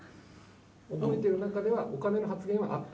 覚えてる中ではお金の発言はあった？